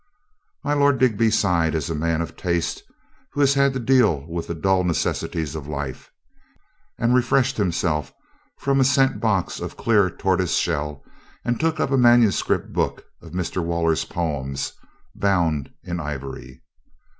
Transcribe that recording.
My Lord Digby sighed as a man of taste who has had to deal with the dull necessities of life, and re freshed himself from a scent box of clear tortoise THE KING LOOKS 353 shell and took up a manuscript book of Mr. Wal ler's poems bound in ivory.